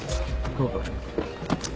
どうぞ。